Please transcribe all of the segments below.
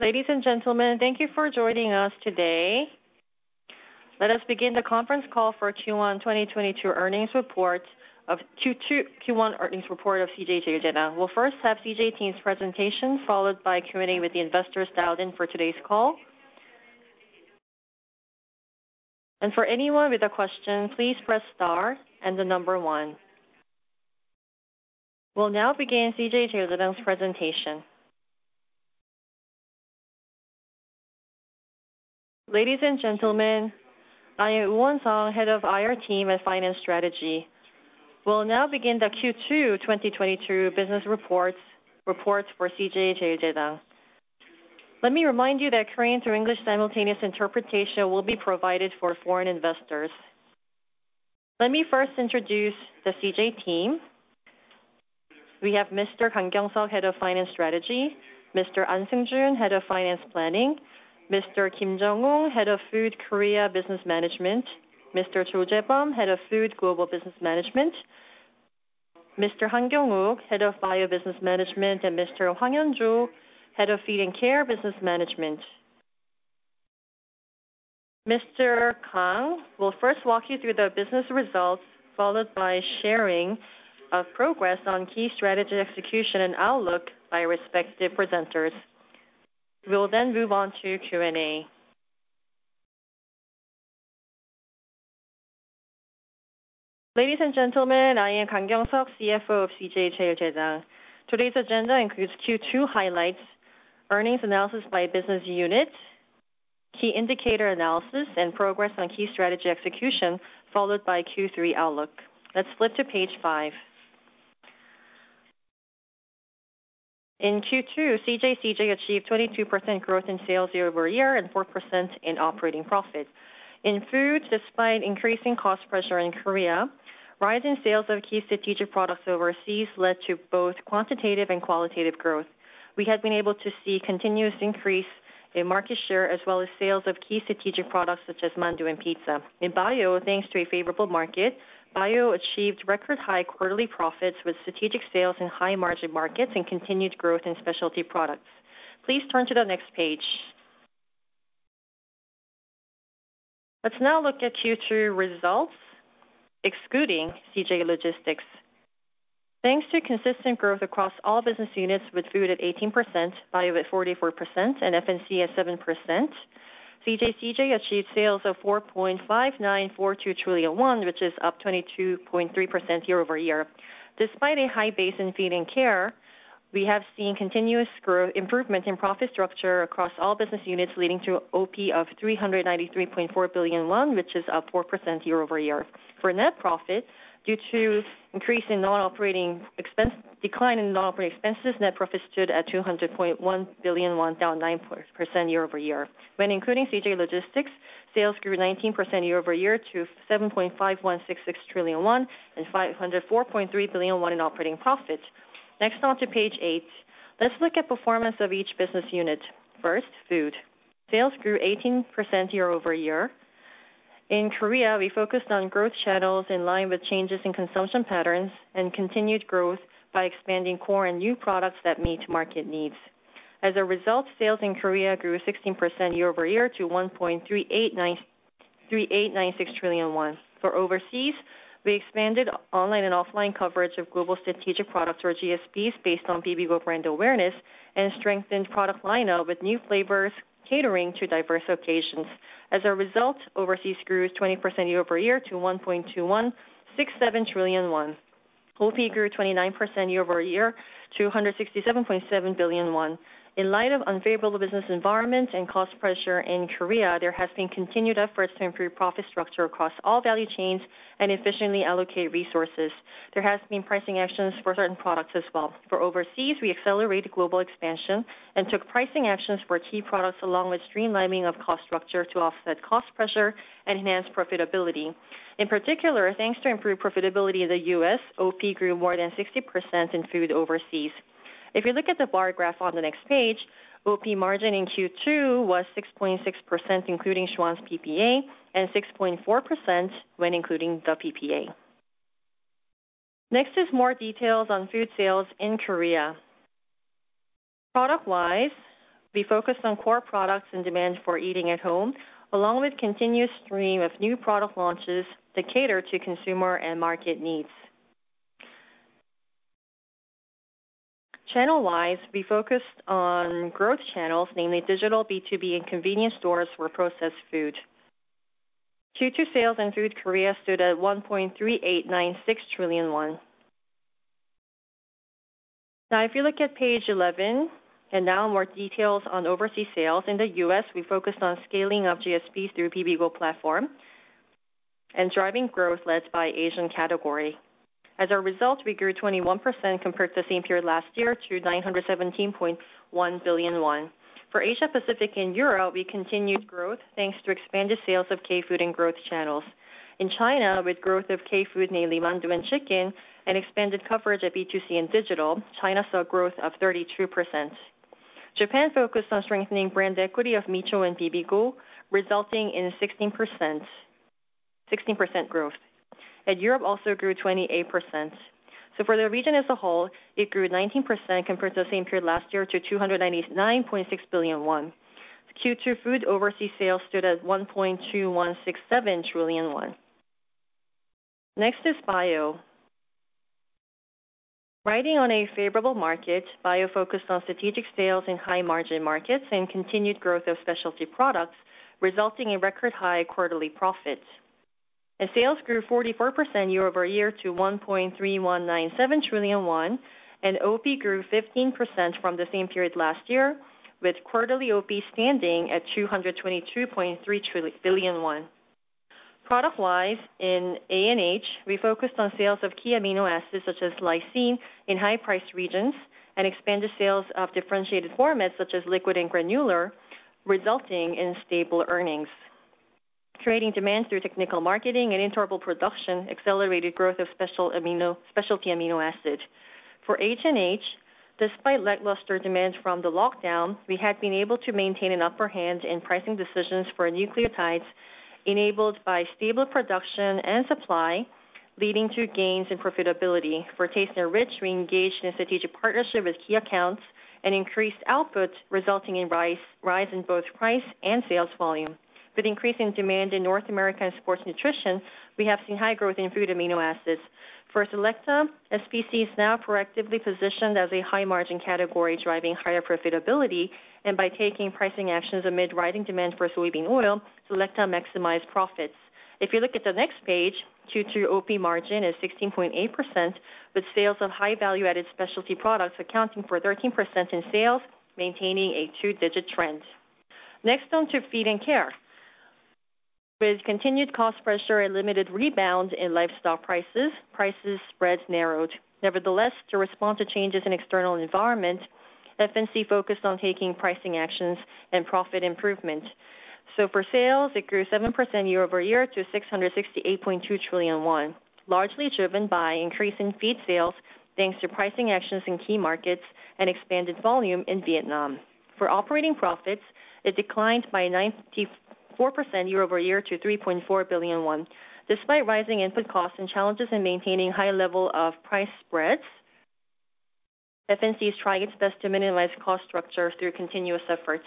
Ladies and gentlemen, thank you for joining us today. Let us begin the conference call for Q1 2022 earnings report of CJ CheilJedang. We'll first have CJ team's presentation, followed by Q&A with the investors dialed in for today's call. For anyone with a question, please press star and the number one. We'll now begin CJ CheilJedang's presentation. Ladies and gentlemen, I am Jun Seong, Head of IR Team and Finance Strategy. We'll now begin the Q2 2022 business reports for CJ CheilJedang. Let me remind you that Korean to English simultaneous interpretation will be provided for foreign investors. Let me first introduce the CJ team. We have Mr. Kang Kyoung-Suk, Head of Finance Strategy, Mr. Ansan Jung, Head of Finance Planning, Mr. [Kim Jung-Un], Head of Food Korea Business Management, Mr. Cho Jae-beom, Head of Food Global Business Management, Mr. Han Kyong-Wook, Head of Bio Business Management, and Mr. Hwang Hyeon-ju, Head of Feed&Care Business Management. Mr. Kang will first walk you through the business results, followed by sharing of progress on key strategy execution and outlook by respective presenters. We will move on to Q&A. Ladies and gentlemen, I am Kang Kyoung-Suk, CFO of CJ CheilJedang. Today's agenda includes Q2 highlights, earnings analysis by business unit, key indicator analysis, and progress on key strategy execution, followed by Q3 outlook. Let's flip to page five. In Q2, CJ CheilJedang achieved 22% growth in sales year-over-year and 4% in operating profit. In food, despite increasing cost pressure in Korea, rise in sales of key strategic products overseas led to both quantitative and qualitative growth. We have been able to see continuous increase in market share as well as sales of key strategic products such as mandu and pizza. In bio, thanks to a favorable market, bio achieved record high quarterly profits with strategic sales in high margin markets and continued growth in specialty products. Please turn to the next page. Let's now look at Q2 results excluding CJ Logistics. Thanks to consistent growth across all business units with food at 18%, bio at 44%, and F&C at 7%, CJ CheilJedang achieved sales of 4.5942 trillion won, which is up 22.3% year-over-year. Despite a high base in Feed&Care, we have seen continuous growth, improvement in profit structure across all business units, leading to OP of 393.4 billion won, which is up 4% year-over-year. For net profit, due to decline in non-operating expenses, net profit stood at 200.1 billion won, down 9% year-over-year. When including CJ Logistics, sales grew 19% year-over-year to 7.5166 trillion won and 504.3 billion won in operating profit. Next, on to page eight. Let's look at performance of each business unit. First, food. Sales grew 18% year-over-year. In Korea, we focused on growth channels in line with changes in consumption patterns and continued growth by expanding core and new products that meet market needs. Sales in Korea grew 16% year-over-year to 1.3896 trillion won. For overseas, we expanded online and offline coverage of global strategic products or GSPs based on Bibigo brand awareness and strengthened product lineup with new flavors catering to diverse occasions. Overseas grew 20% year-over-year to 1.2167 trillion won. OP grew 29% year-over-year to 167.7 billion won. In light of unfavorable business environment and cost pressure in Korea, there has been continued efforts to improve profit structure across all value chains and efficiently allocate resources. There has been pricing actions for certain products as well. For overseas, we accelerated global expansion and took pricing actions for key products along with streamlining of cost structure to offset cost pressure and enhance profitability. In particular, thanks to improved profitability in the U.S., OP grew more than 60% in food overseas. If you look at the bar graph on the next page, OP margin in Q2 was 6.6%, including Schwan's PPA, and 6.4% when including the PPA. Next is more details on food sales in Korea. Product-wise, we focused on core products and demand for eating at home, along with continuous stream of new product launches to cater to consumer and market needs. Channel-wise, we focused on growth channels, namely digital B2B and convenience stores for processed food. Q2 sales in Food Korea stood at 1.3896 trillion won. Now if you look at page 11, and now more details on overseas sales. In the US, we focused on scaling of GSPs through Bibigo platform and driving growth led by Asian category. As a result, we grew 21% compared to the same period last year to 917.1 billion won. For Asia Pacific and Europe, we continued growth thanks to expanded sales of K-food and growth channels. In China, with growth of K-food, namely mandu and chicken, and expanded coverage at B2C and digital, China saw growth of 32%. Japan focused on strengthening brand equity of Micho and Bibigo, resulting in 16% growth. Europe also grew 28%. For the region as a whole, it grew 19% compared to the same period last year to 299.6 billion won. Q2 food overseas sales stood at 1.2167 trillion won. Next is bio. Riding on a favorable market, bio focused on strategic sales in high margin markets and continued growth of specialty products, resulting in record high quarterly profits. Sales grew 44% year-over-year to 1.3197 trillion won, and OP grew 15% from the same period last year, with quarterly OP standing at 222.3 billion won. Product-wise, in ANH, we focused on sales of key amino acids such as lysine in high price regions and expanded sales of differentiated formats such as liquid and granular, resulting in stable earnings. Trading demands through technical marketing and internal production accelerated growth of specialty amino acids. For HNH, despite lackluster demands from the lockdown, we have been able to maintain an upper hand in pricing decisions for nucleotides enabled by stable production and supply, leading to gains in profitability. For TasteNrich, we engaged in a strategic partnership with key accounts and increased output, resulting in rise in both price and sales volume. With increasing demand in North America and sports nutrition, we have seen high growth in food amino acids. For Selecta, SPC is now proactively positioned as a high margin category, driving higher profitability, and by taking pricing actions amid rising demand for soybean oil, Selecta maximizes profits. If you look at the next page, Q2 OP margin is 16.8%, with sales of high value-added specialty products accounting for 13% in sales, maintaining a two-digit trend. Next on to Feed&Care With continued cost pressure and limited rebound in livestock prices, price spreads narrowed. Nevertheless, to respond to changes in external environment, F&C focused on taking pricing actions and profit improvement. For sales, it grew 7% year-over-year to 668.2 trillion won, largely driven by increase in feed sales, thanks to pricing actions in key markets and expanded volume in Vietnam. For operating profits, it declined by 94% year-over-year to 3.4 billion won. Despite rising input costs and challenges in maintaining high level of price spreads, F&C is trying its best to minimize cost structure through continuous efforts.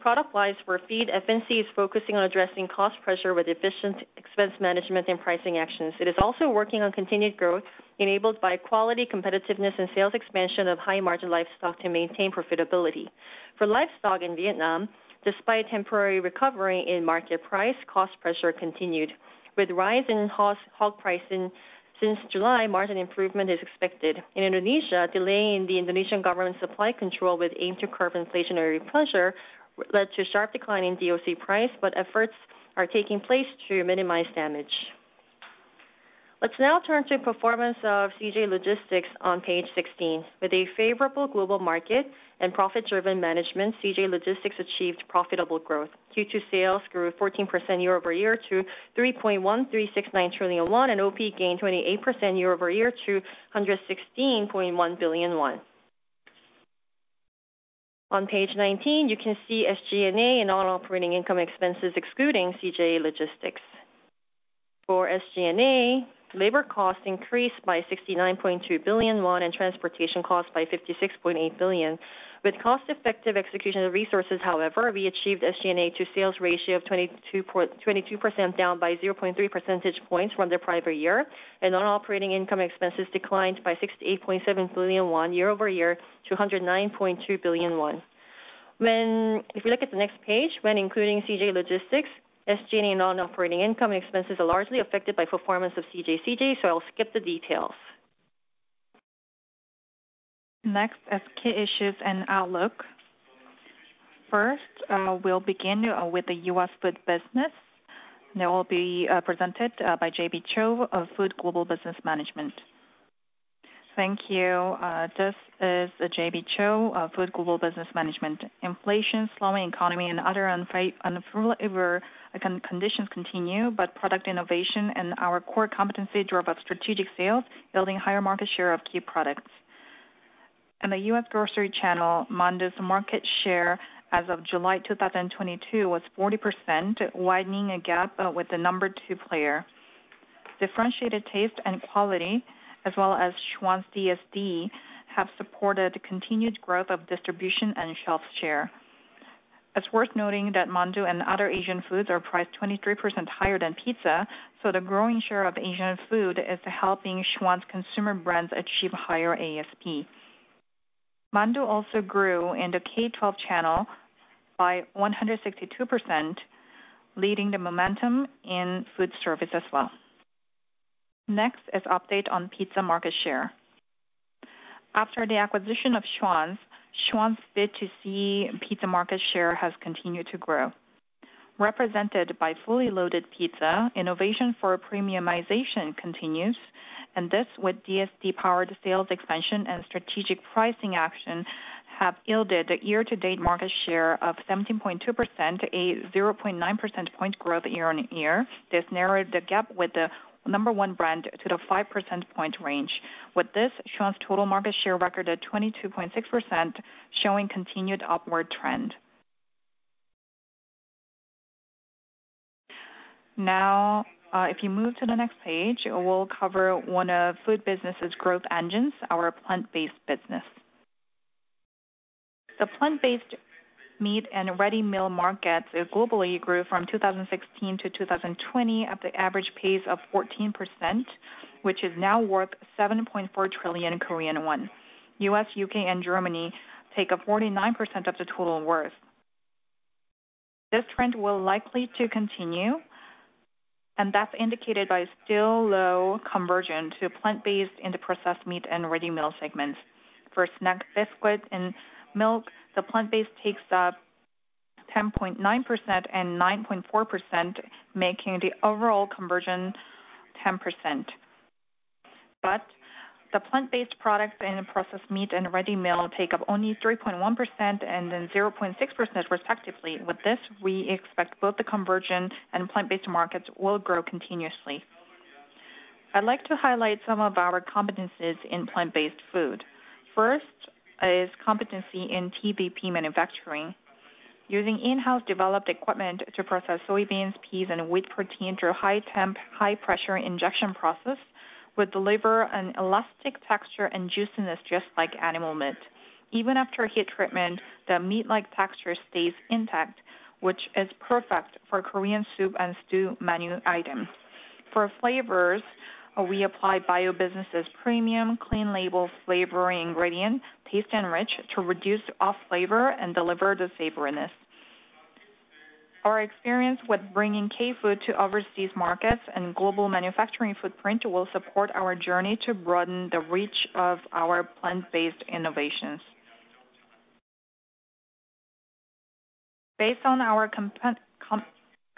Product-wise, for feed, F&C is focusing on addressing cost pressure with efficient expense management and pricing actions. It is also working on continued growth enabled by quality, competitiveness, and sales expansion of high margin livestock to maintain profitability. For livestock in Vietnam, despite temporary recovery in market price, cost pressure continued. With rise in hog pricing since July, margin improvement is expected. In Indonesia, delay in the Indonesian government supply control with aim to curb inflationary pressure led to sharp decline in DOC price, but efforts are taking place to minimize damage. Let's now turn to performance of CJ Logistics on page 16. With a favorable global market and profit-driven management, CJ Logistics achieved profitable growth. Q2 sales grew 14% year-over-year to 3.1369 trillion won, and OP gained 28% year-over-year to 116.1 billion won. On page 19, you can see SG&A and all operating income expenses excluding CJ Logistics. For SG&A, labor costs increased by 69.2 billion won and transportation costs by 56.8 billion. With cost-effective execution of resources, however, we achieved SG&A to sales ratio of 22%, down by 0.3 percentage points from the prior year, and non-operating income expenses declined by 68.7 billion won year-over-year to 109.2 billion won. If you look at the next page, when including CJ Logistics, SG&A non-operating income expenses are largely affected by performance of CJ CGV, so I'll skip the details. Next is key issues and outlook. First, we'll begin with the U.S. food business that will be presented by JB Cho of Food Global Business Management. Thank you. This is JB Cho of Food Global Business Management. Inflation, slowing economy and other unfavorable econ conditions continue, but product innovation and our core competency drove up strategic sales, building higher market share of key products. In the U.S. grocery channel, mandu's market share as of July 2022 was 40%, widening a gap with the number two player. Differentiated taste and quality, as well as Schwan's DSD, have supported continued growth of distribution and shelf share. It's worth noting that mandu and other Asian foods are priced 23% higher than pizza, so the growing share of Asian food is helping Schwan's consumer brands achieve higher ASP. Mandu also grew in the K-12 channel by 162%, leading the momentum in food service as well. Next is update on pizza market share. After the acquisition of Schwan's frozen pizza market share has continued to grow. Represented by Fully Loaded pizza, innovation for premiumization continues, and this with DSD-powered sales expansion and strategic pricing action, have yielded a year-to-date market share of 17.2%, a 0.9 percentage point growth year-on-year. This narrowed the gap with the number one brand to the 5 percentage point range. With this, Schwan's total market share recorded 22.6%, showing continued upward trend. Now, if you move to the next page, we'll cover one of food business' growth engines, our plant-based business. The plant-based meat and ready meal markets globally grew from 2016 to 2020 at the average pace of 14%, which is now worth 7.4 trillion Korean won. U.S., U.K., and Germany take up 49% of the total worth. This trend will likely to continue, and that's indicated by still low conversion to plant-based into processed meat and ready meal segments. For snack biscuits and milk, the plant-based takes up 10.9% and 9.4%, making the overall conversion 10%. The plant-based products in processed meat and ready meal take up only 3.1% and then 0.6% respectively. With this, we expect both the conversion and plant-based markets will grow continuously. I'd like to highlight some of our competencies in plant-based food. First is competency in TVP manufacturing. Using in-house developed equipment to process soybeans, peas, and wheat protein through a high temp, high pressure injection process will deliver an elastic texture and juiciness, just like animal meat. Even after heat treatment, the meat-like texture stays intact, which is perfect for Korean soup and stew menu items. For flavors, we apply CJ BIO's premium clean label flavoring ingredient, TasteNrich, to reduce off flavor and deliver the savoriness. Our experience with bringing K-food to overseas markets and global manufacturing footprint will support our journey to broaden the reach of our plant-based innovations. Based on our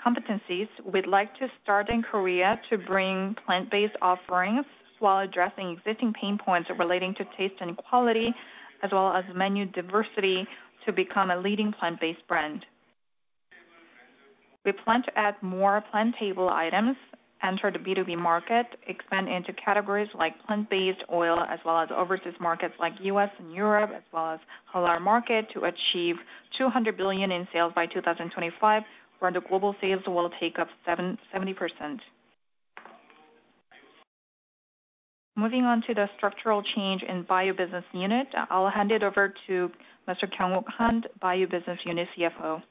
competencies, we'd like to start in Korea to bring plant-based offerings while addressing existing pain points relating to taste and quality, as well as menu diversity to become a leading plant-based brand. We plan to add more PlanTable items, enter the B2B market, expand into categories like plant-based oil as well as overseas markets like U.S. and Europe, as well as halal market to achieve 200 billion in sales by 2025, where the global sales will take up 70%. Moving on to the structural change in bio business unit, I'll hand it over to Mr. Han Kyong-Wook, bio business unit CFO.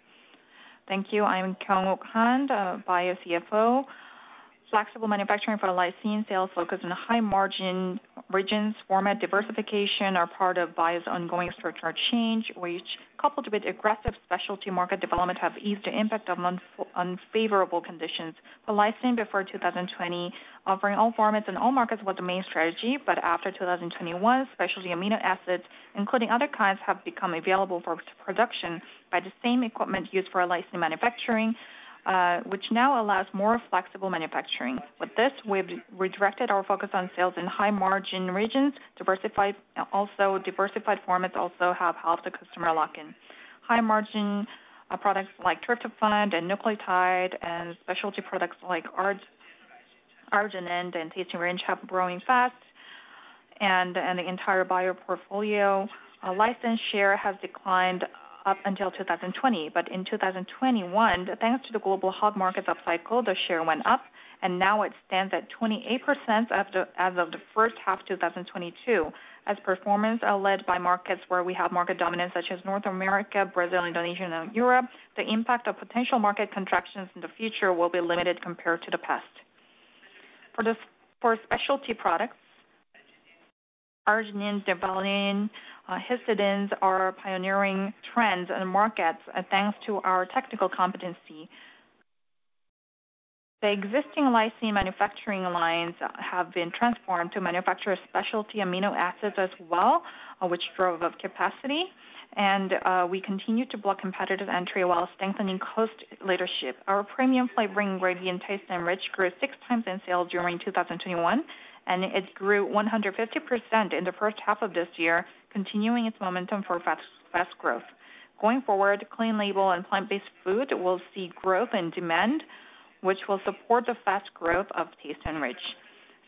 Thank you. I am Han Kyong-Wook, bio CFO. Flexible manufacturing for lysine sales focused on high margin regions, format diversification are part of bio's ongoing structural change, which coupled with aggressive specialty market development, have eased the impact of unfavorable conditions. The lysine before 2020, offering all formats in all markets was the main strategy, but after 2021, specialty amino acids, including other kinds, have become available for production by the same equipment used for lysine manufacturing, which now allows more flexible manufacturing. With this, we've redirected our focus on sales in high margin regions. Diversified formats also have helped the customer lock in high margin products like tryptophan and nucleotide and specialty products like arginine and TasteNrich have growing fast. The entire bio portfolio, lysine share has declined up until 2020, but in 2021, thanks to the global hog market upcycle, the share went up, and now it stands at 28% as of the first half 2022. Our performance is led by markets where we have market dominance such as North America, Brazil, Indonesia, and Europe. The impact of potential market contractions in the future will be limited compared to the past. For specialty products, arginine, valine, histidine are pioneering trends in the markets, thanks to our technical competency. The existing lysine manufacturing lines have been transformed to manufacture specialty amino acids as well, which drove up capacity, and we continue to block competitive entry while strengthening cost leadership. Our premium flavoring ingredient TasteNrich grew six times in sales during 2021, and it grew 150% in the first half of this year, continuing its momentum for fast growth. Going forward, clean label and plant-based food will see growth in demand, which will support the fast growth of TasteNrich.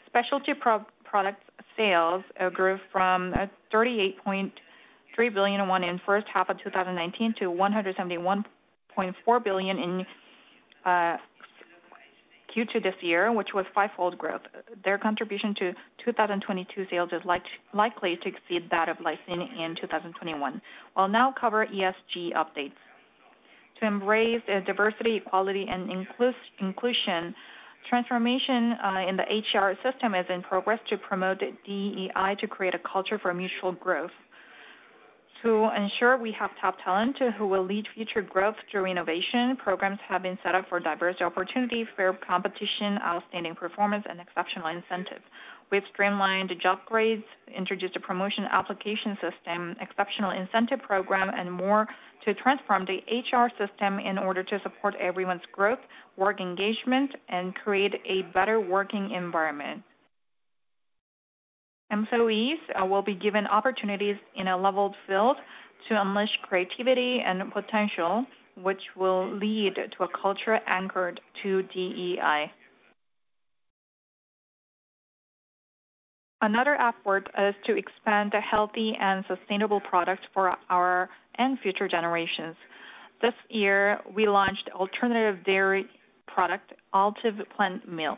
Specialty products sales grew from 38.3 billion in first half of 2019 to 171.4 billion in Q2 this year, which was fivefold growth. Their contribution to 2022 sales is likely to exceed that of lysine in 2021. I'll now cover ESG updates. To embrace the diversity, equality, and inclusion, transformation in the HR system is in progress to promote DEI to create a culture for mutual growth. To ensure we have top talent who will lead future growth through innovation, programs have been set up for diverse opportunities, fair competition, outstanding performance, and exceptional incentives. We've streamlined job grades, introduced a promotion application system, exceptional incentive program, and more to transform the HR system in order to support everyone's growth, work engagement, and create a better working environment. Employees will be given opportunities in a leveled field to unleash creativity and potential, which will lead to a culture anchored to DEI. Another effort is to expand the healthy and sustainable product for us and future generations. This year, we launched alternative dairy product, ALTIVE Plant Milk.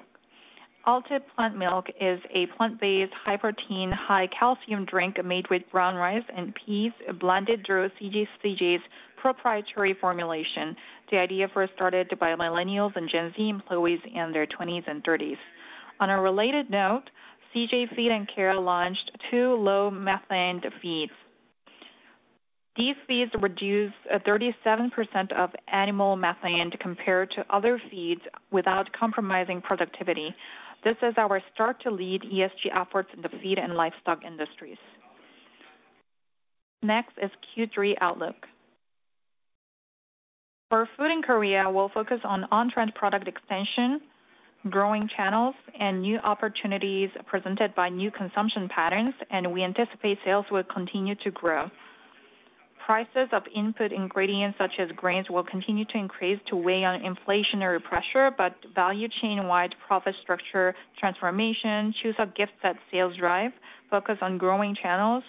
ALTIVE Plant Milk is a plant-based high protein, high calcium drink made with brown rice and peas blended through CJ's proprietary formulation. The idea first started by millennials and Gen Z employees in their twenties and thirties. On a related note, CJ Feed&Care launched two low methane feeds. These feeds reduce 37% of animal methane compared to other feeds without compromising productivity. This is our start to lead ESG efforts in the feed and livestock industries. Next is Q3 outlook. For food in Korea, we'll focus on on-trend product expansion, growing channels, and new opportunities presented by new consumption patterns, and we anticipate sales will continue to grow. Prices of input ingredients such as grains will continue to increase to weigh on inflationary pressure, but value chain-wide profit structure transformation, Chuseok gift set sales drive, focus on growing channels,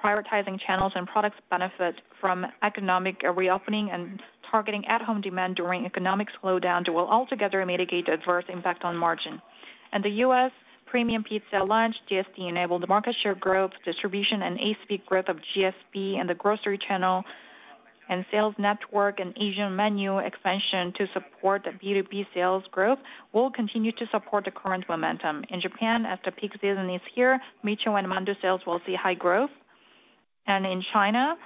prioritizing channels and products benefit from economic reopening and targeting at-home demand during economic slowdown will altogether mitigate adverse impact on margin. In the US, premium pizza launch, DSD-enabled market share growth, distribution and ASP growth of GSP in the grocery channel and sales network and Asian menu expansion to support the B2B sales growth will continue to support the current momentum. In Japan, as the peak season is here, Micho and mandu sales will see high growth. In China,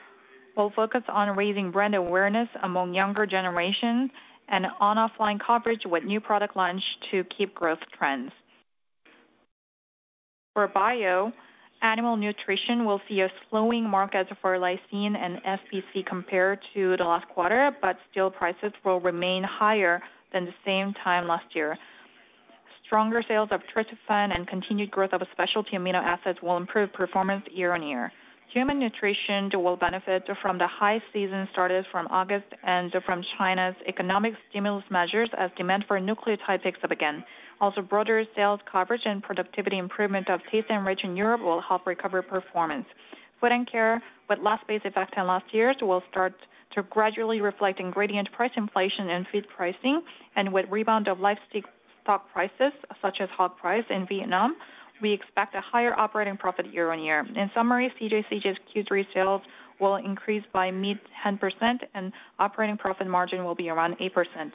we'll focus on raising brand awareness among younger generations and on offline coverage with new product launch to keep growth trends. For bio, animal nutrition will see a slowing market for lysine and F&C compared to the last quarter, but still prices will remain higher than the same time last year. Stronger sales of tryptophan and continued growth of specialty amino acids will improve performance year-on-year. Human nutrition will benefit from the high season started from August and from China's economic stimulus measures as demand for nucleotide picks up again. Also, broader sales coverage and productivity improvement of TasteNrich and more will help recover performance. Feed&Care with low base effect in last year will start to gradually reflect ingredient price inflation and feed pricing. With rebound of livestock stock prices, such as hog price in Vietnam, we expect a higher operating profit year-on-year. In summary, CJ CheilJedang's Q3 sales will increase by mid-10% and operating profit margin will be around 8%.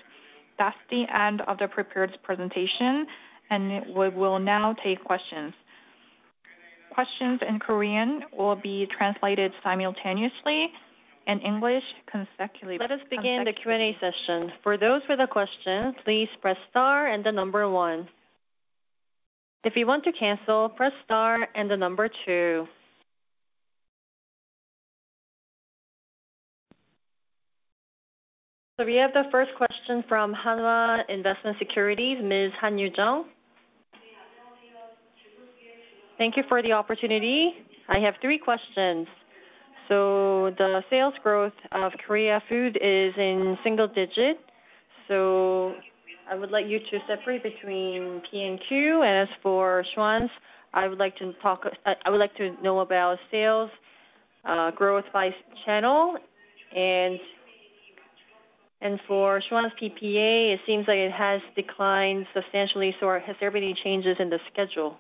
That's the end of the prepared presentation, and we will now take questions. Questions in Korean will be translated simultaneously and English consecutively. Let us begin the Q&A session. For those with a question, please press star and the number one. If you want to cancel, press star and the number two. We have the first question from Hanwha Investment & Securities, Ms. Han Yu-jung. Thank you for the opportunity. I have three questions. The sales growth of Korea Food is in single digit. I would like you to separate between P&Q. As for Schwan's, I would like to talk, I would like to know about sales growth by channel. And for Schwan's PPA, it seems like it has declined substantially. Has there been any changes in the schedule?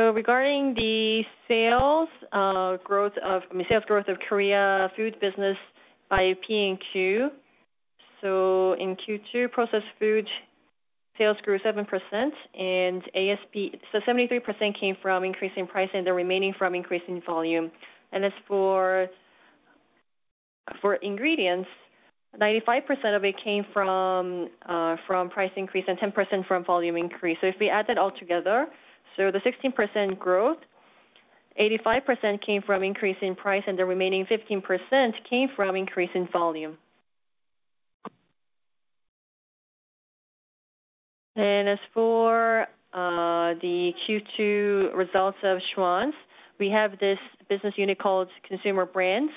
Regarding the sales, I mean sales growth of Korea Food business by P&Q. In Q2, processed food sales grew 7% and ASP. Seventy-three percent came from increasing price and the remaining from increasing volume. As for ingredients, 95% of it came from price increase and 10% from volume increase. If we add that all together, the 16% growth, 85% came from increase in price and the remaining 15% came from increase in volume. As for the Q2 results of Schwan's, we have this business unit called Consumer Brands,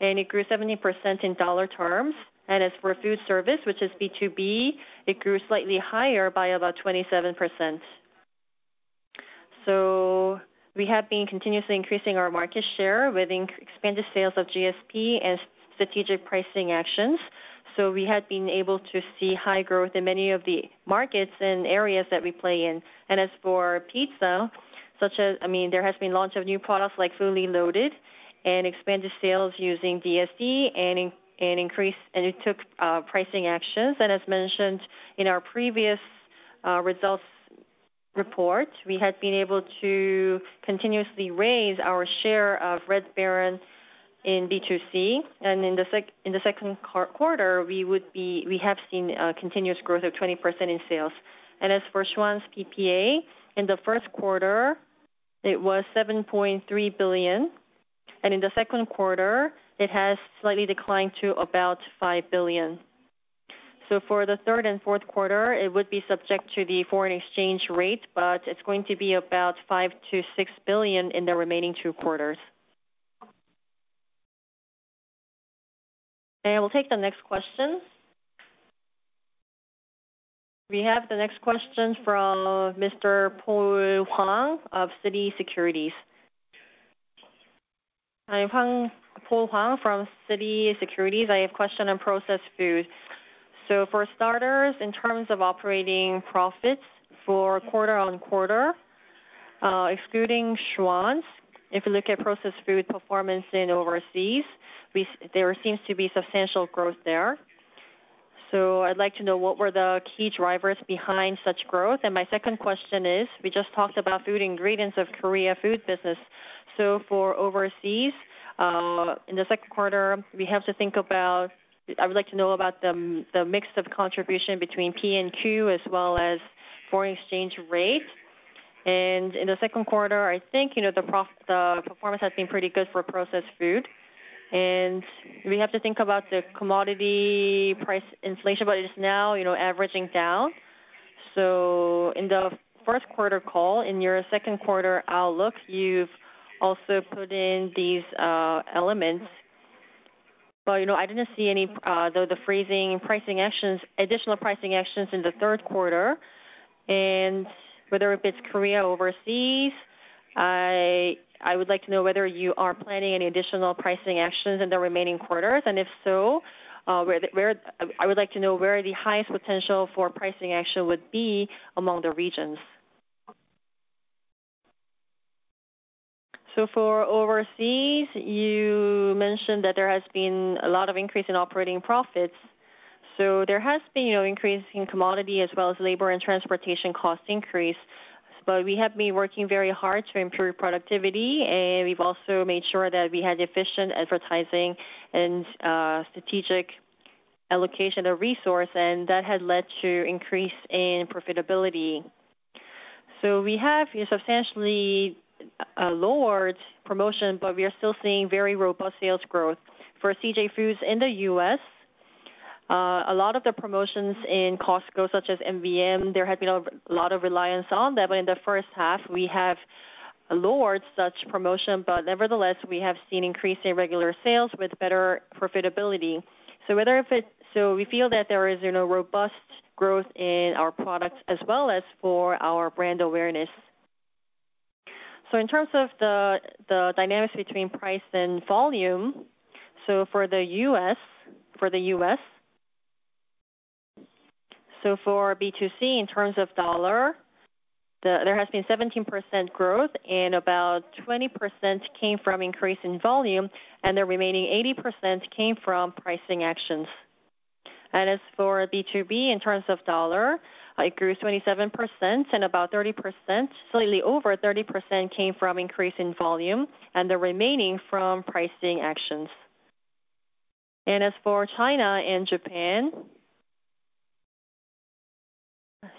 and it grew 70% in dollar terms. As for food service, which is B2B, it grew slightly higher by about 27%. We have been continuously increasing our market share with expanded sales of GSP and strategic pricing actions. We have been able to see high growth in many of the markets and areas that we play in. As for pizza, I mean, there has been launch of new products like Fully Loaded and expanded sales using DSD and increased pricing actions. As mentioned in our previous results report, we had been able to continuously raise our share of Red Baron in B2C. In the second quarter, we have seen continuous growth of 20% in sales. As for Schwan's PPA, in the first quarter, it was 7.3 billion, and in the second quarter, it has slightly declined to about 5 billion. For the third and fourth quarter, it would be subject to the foreign exchange rate, but it's going to be about 5-6 billion in the remaining two quarters. We'll take the next question. We have the next question from Mr. Jaewon Hwang of Citi Securities. I'm Hwang, Jaewon Hwang from Citi Securities. I have a question on processed foods. For starters, in terms of operating profits for quarter-over-quarter, excluding Schwan's, if you look at processed food performance in overseas, there seems to be substantial growth there. I'd like to know what were the key drivers behind such growth? My second question is, we just talked about food ingredients and Korea food business. For overseas, in the second quarter, we have to think about. I would like to know about the mix of contribution between P&Q as well as foreign exchange rate. In the second quarter, I think, you know, the performance has been pretty good for processed food. We have to think about the commodity price inflation, but it is now, you know, averaging down. In the first quarter call, in your second quarter outlook, you've also put in these elements. You know, I didn't see any additional pricing actions in the third quarter. Whether if it's Korea overseas, I would like to know whether you are planning any additional pricing actions in the remaining quarters. If so, I would like to know where the highest potential for pricing action would be among the regions. For overseas, you mentioned that there has been a lot of increase in operating profits. There has been, you know, increase in commodity as well as labor and transportation cost increase. We have been working very hard to improve productivity, and we've also made sure that we had efficient advertising and strategic allocation of resource, and that had led to increase in profitability. We have substantially lowered promotion, but we are still seeing very robust sales growth. For CJ Foods in the US, a lot of the promotions in Costco, such as MVM, there had been a lot of reliance on that. In the first half, we have lowered such promotion, but nevertheless, we have seen increase in regular sales with better profitability. We feel that there is, you know, robust growth in our products as well as for our brand awareness. In terms of the dynamics between price and volume, for the U.S., for B2C, in terms of dollar, there has been 17% growth, and about 20% came from increase in volume, and the remaining 80% came from pricing actions. As for B2B, in terms of dollar, it grew 27% and about 30%, slightly over 30% came from increase in volume, and the remaining from pricing actions. As for China and Japan,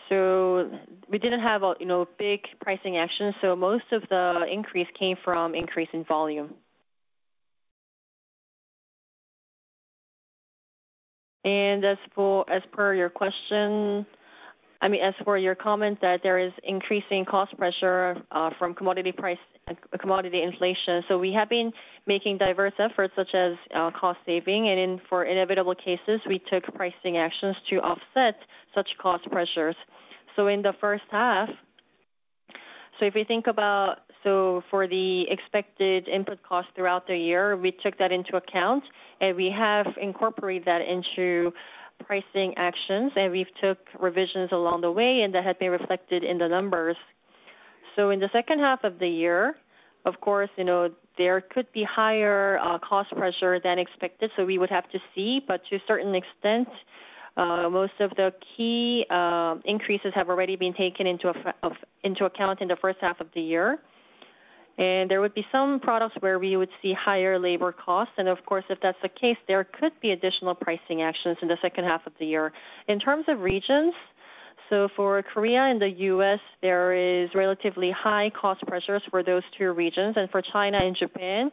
we didn't have a big pricing action, you know, so most of the increase came from increase in volume. As per your question, I mean, as for your comment that there is increasing cost pressure from commodity inflation. We have been making diverse efforts such as cost saving, and in inevitable cases, we took pricing actions to offset such cost pressures. In the first half, if you think about, for the expected input costs throughout the year, we took that into account, and we have incorporated that into pricing actions. We've took revisions along the way, and that had been reflected in the numbers. In the second half of the year, of course, you know, there could be higher cost pressure than expected, so we would have to see. To a certain extent, most of the key increases have already been taken into account in the first half of the year. There would be some products where we would see higher labor costs. Of course, if that's the case, there could be additional pricing actions in the second half of the year. In terms of regions, for Korea and the U.S., there is relatively high cost pressures for those two regions. For China and Japan,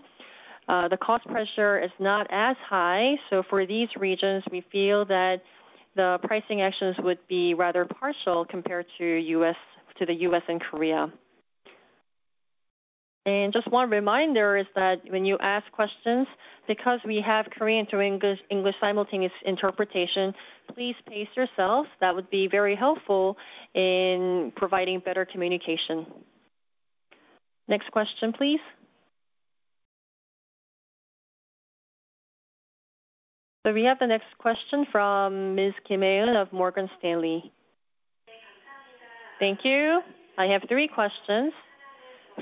the cost pressure is not as high. For these regions, we feel that the pricing actions would be rather partial compared to U.S., to the U.S. and Korea. Just one reminder is that when you ask questions, because we have Korean to English simultaneous interpretation, please pace yourself. That would be very helpful in providing better communication. Next question, please. We have the next question from Ms. [Kim Mi Hyun] of Morgan Stanley. Thank you. I have three questions.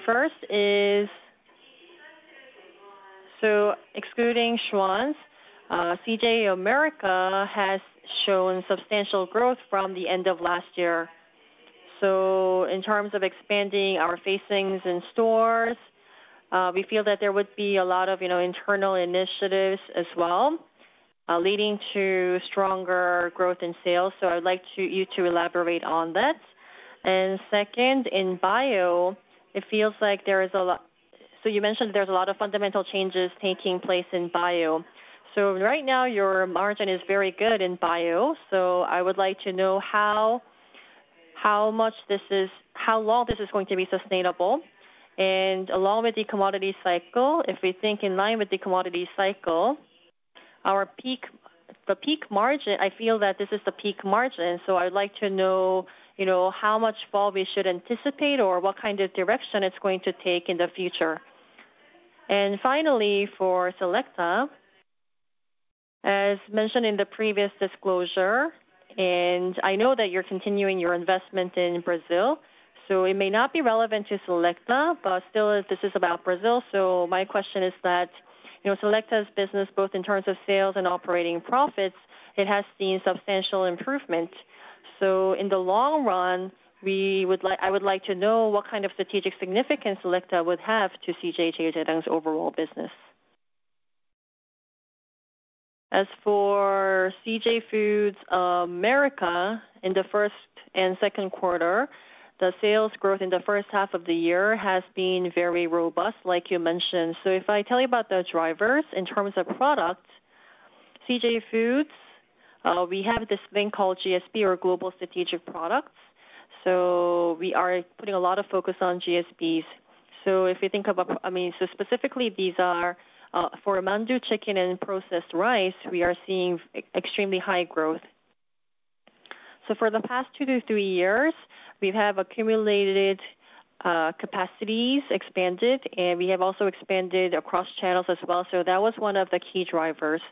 First is, excluding Schwan's, CJ America has shown substantial growth from the end of last year. In terms of expanding our facings in stores, we feel that there would be a lot of, you know, internal initiatives as well, leading to stronger growth in sales. I would like you to elaborate on that. Second, in bio, it feels like there is a lot. You mentioned there's a lot of fundamental changes taking place in bio. Right now, your margin is very good in bio. I would like to know how much this is. How long this is going to be sustainable? Along with the commodity cycle, if we think in line with the commodity cycle, our peak, the peak margin, I feel that this is the peak margin. I would like to know, you know, how much fall we should anticipate or what kind of direction it's going to take in the future. Finally, for Selecta, as mentioned in the previous disclosure, and I know that you're continuing your investment in Brazil, so it may not be relevant to Selecta, but still this is about Brazil. My question is that, you know, Selecta's business, both in terms of sales and operating profits, it has seen substantial improvement. In the long run, I would like to know what kind of strategic significance Selecta would have to CJ CheilJedang's overall business. As for CJ Foods America, in the first and second quarter, the sales growth in the first half of the year has been very robust, like you mentioned. If I tell you about the drivers in terms of product, CJ Foods, we have this thing called GSP or Global Strategic Products. We are putting a lot of focus on GSPs. If you think about... I mean, specifically these are, for mandu chicken and processed rice, we are seeing extremely high growth. For the past two-three years, we have accumulated, capacities expanded, and we have also expanded across channels as well. That was one of the key drivers.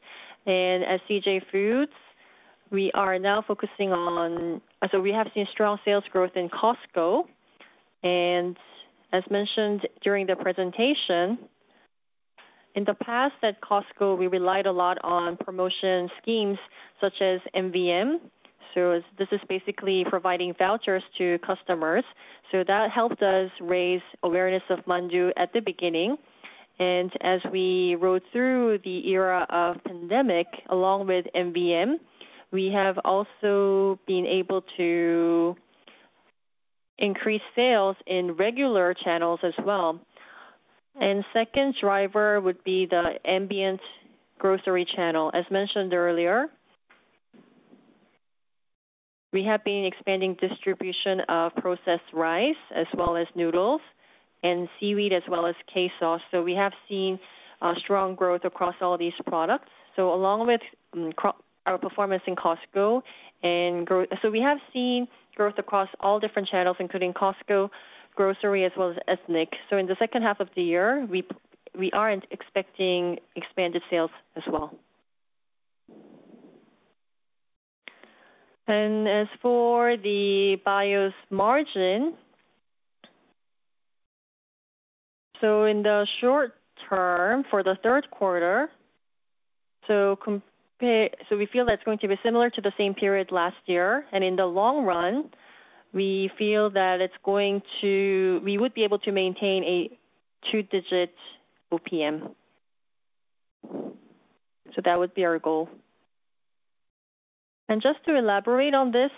At CJ Foods, we are now focusing on. We have seen strong sales growth in Costco. As mentioned during the presentation, in the past at Costco, we relied a lot on promotion schemes such as MVM. This is basically providing vouchers to customers. That helped us raise awareness of mandu at the beginning. As we rode through the era of pandemic, along with MVM, we have also been able to increase sales in regular channels as well. Second driver would be the ambient grocery channel. As mentioned earlier, we have been expanding distribution of processed rice as well as noodles and seaweed as well as K-sauce. We have seen strong growth across all these products. Along with our performance in Costco and growth, we have seen growth across all different channels, including Costco, grocery, as well as ethnic. In the second half of the year, we aren't expecting expanded sales as well. As for the BIO's margin, in the short term for the third quarter, we feel that's going to be similar to the same period last year. In the long run, we feel that we would be able to maintain a two-digit OPM. That would be our goal. Just to elaborate on this,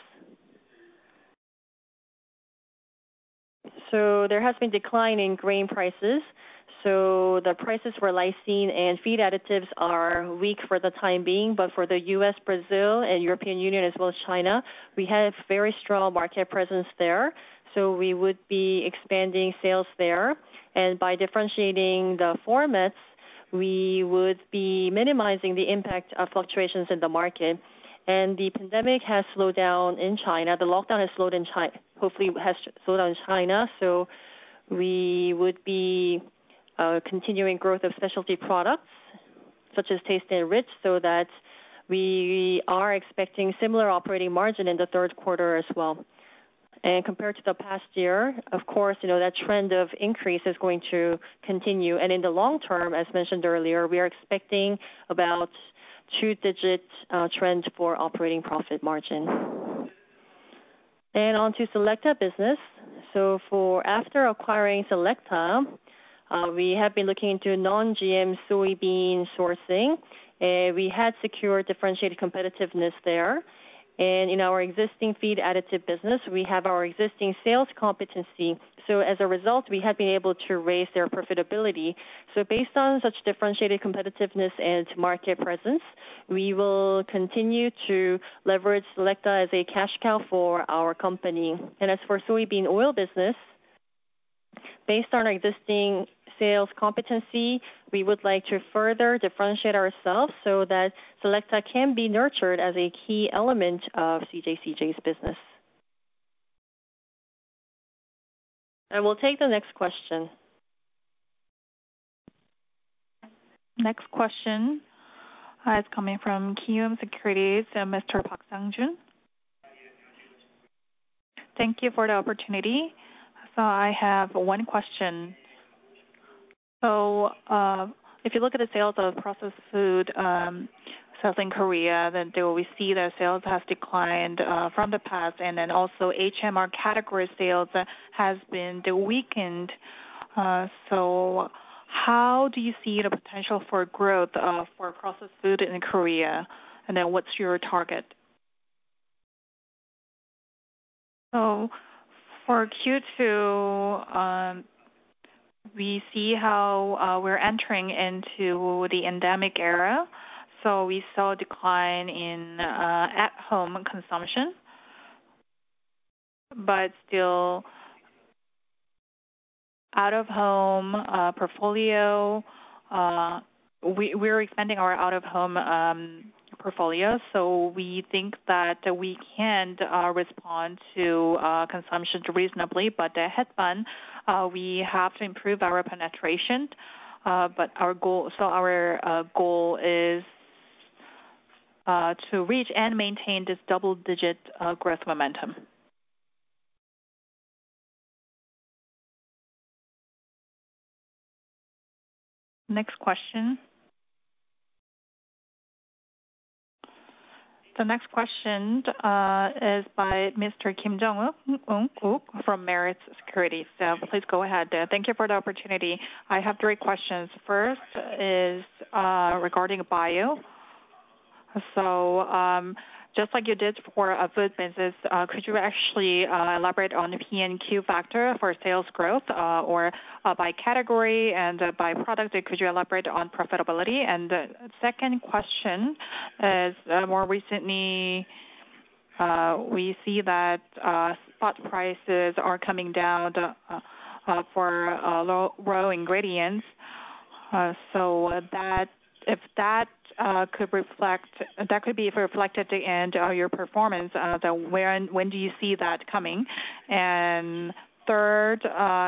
there has been decline in grain prices. The prices for lysine and feed additives are weak for the time being, but for the U.S., Brazil, and European Union as well as China, we have very strong market presence there. We would be expanding sales there. By differentiating the formats, we would be minimizing the impact of fluctuations in the market. The pandemic has slowed down in China. The lockdown has hopefully slowed down in China. We would be continuing growth of specialty products such as TasteNrich so that we are expecting similar operating margin in the third quarter as well. Compared to the past year, of course, you know that trend of increase is going to continue. In the long term, as mentioned earlier, we are expecting about two-digit trend for operating profit margin. On to Selecta business. After acquiring CJ Selecta, we have been looking into non-GM soybean sourcing. We had secured differentiated competitiveness there. In our existing feed additive business, we have our existing sales competency. As a result, we have been able to raise their profitability. Based on such differentiated competitiveness and market presence, we will continue to leverage CJ Selecta as a cash cow for our company. As for soybean oil business, based on our existing sales competency, we would like to further differentiate ourselves so that CJ Selecta can be nurtured as a key element of CJ's business. We'll take the next question. Next question is coming from Kiwoom Securities, Mr. Park Sangjun. Thank you for the opportunity. I have one question. If you look at the sales of processed food in South Korea, do we see that sales has declined from the past and also HMR category sales has been weakened. How do you see the potential for growth for processed food in Korea? What's your target? For Q2. We see how we're entering into the endemic era, so we saw a decline in at-home consumption. Still out-of-home portfolio, we're expanding our out-of-home portfolio, so we think that we can respond to consumption reasonably. Hetbahn, we have to improve our penetration, but our goal. Our goal is to reach and maintain this double digit growth momentum. Next question. The next question is by Mr. [Kim Jong-wook] from Meritz Securities. Please go ahead. Thank you for the opportunity. I have three questions. First is regarding Bio. Just like you did for food business, could you actually elaborate on the P&Q factor for sales growth or by category and by product? Could you elaborate on profitability? The second question is, more recently, we see that spot prices are coming down for raw ingredients. If that could be reflected at the end of your performance, then where and when do you see that coming? Third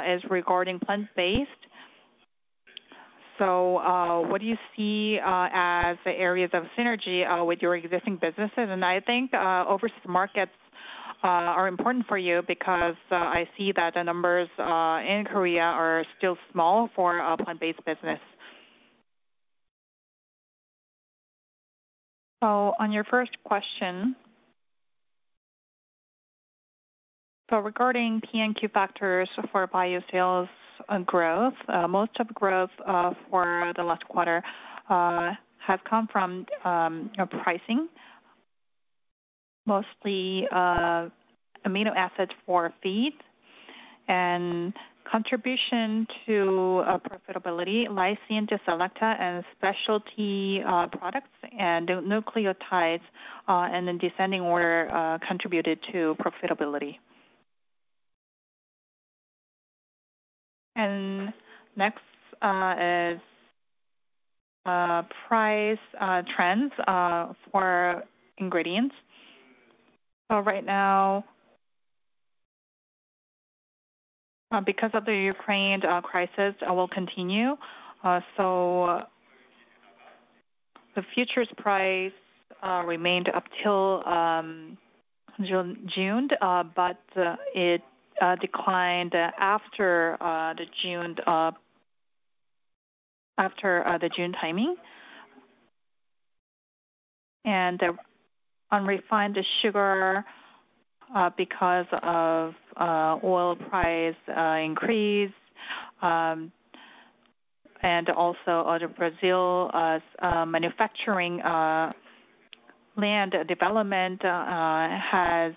is regarding plant-based. What do you see as the areas of synergy with your existing businesses? I think overseas markets are important for you because I see that the numbers in Korea are still small for a plant-based business. On your first question, regarding P&Q factors for BIO sales growth, most of growth for the last quarter has come from pricing. Mostly amino acids for feeds and contribution to profitability, lysine, Selecta and specialty products and nucleotides and then descending order contributed to profitability. Next is price trends for ingredients. Right now, because of the Ukraine crisis will continue. The futures price remained up till June, but it declined after the June timing. On refined sugar, because of oil price increase and also Brazil's manufacturing land development has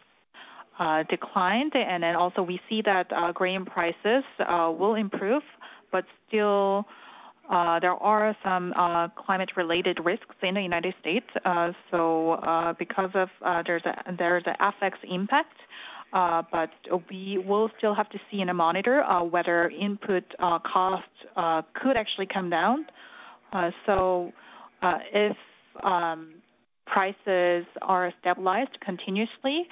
declined. Then also we see that grain prices will improve, but still there are some climate-related risks in the United States. Because of, there's an FX impact, but we will still have to see and monitor whether input costs could actually come down. If prices are stabilized continuously,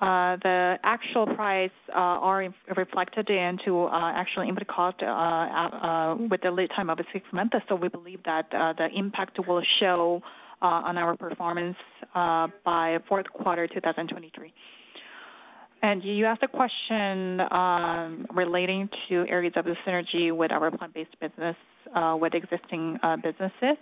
the actual prices are reflected into actual input cost with the lead time of six months. We believe that the impact will show on our performance by fourth quarter 2023. You asked a question relating to areas of synergy with our plant-based business with existing businesses.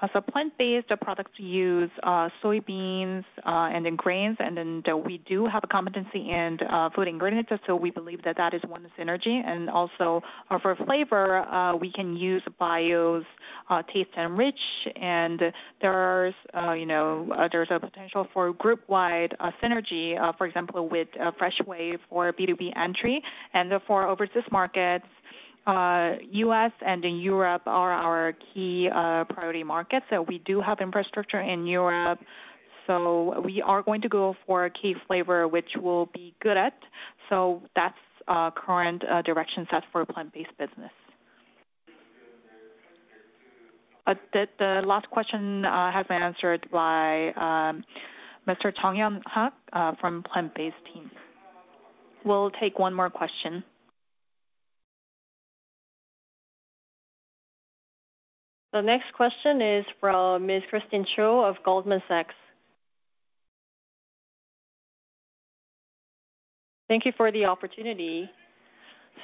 Plant-based products use soybeans and then grains, and then we do have a competency in food ingredients. We believe that is one synergy. Also for flavor, we can use Bio's TasteNrich. There's, you know, a potential for group-wide synergy, for example, with CJ Freshway for B2B entry. For overseas markets, US and Europe are our key priority markets. We do have infrastructure in Europe, so we are going to go for a key flavor, which we'll be good at. That's our current direction set for plant-based business. The last question has been answered by Mr. [Jeong Hyun-hak] from plant-based team. We'll take one more question. The next question is from Ms. Christine Cho of Goldman Sachs. Thank you for the opportunity.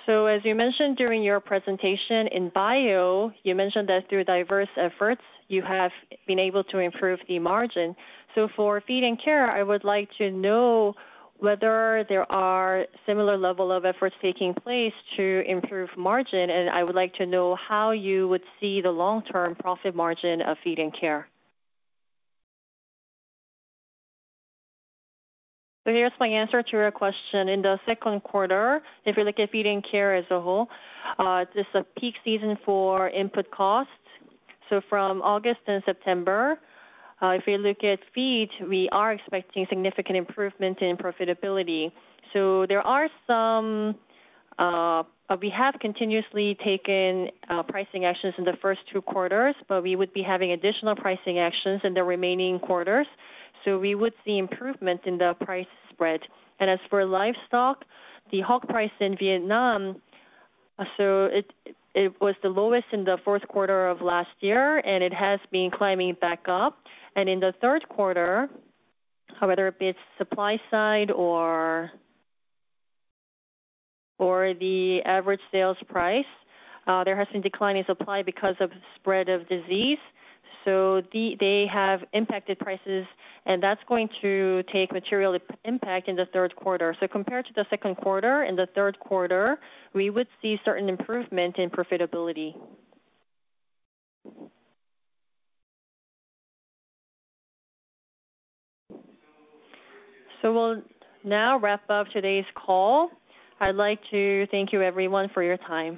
As you mentioned during your presentation in bio, you mentioned that through diverse efforts you have been able to improve the margin. For Feed&Care, I would like to know whether there are similar level of efforts taking place to improve margin. I would like to know how you would see the long-term profit margin of Feed&Care. Here's my answer to your question. In the second quarter, if you look at Feed&Care as a whole, this is a peak season for input costs. From August and September, if you look at feed, we are expecting significant improvement in profitability. There are some, we have continuously taken pricing actions in the first two quarters, but we would be having additional pricing actions in the remaining quarters. We would see improvement in the price spread. As for livestock, the hog price in Vietnam, it was the lowest in the fourth quarter of last year, and it has been climbing back up. In the third quarter, whether it be supply side or the average sales price, there has been declining supply because of spread of disease. They have impacted prices, and that's going to take material impact in the third quarter. Compared to the second quarter, in the third quarter we would see certain improvement in profitability. We'll now wrap up today's call. I'd like to thank you everyone for your time.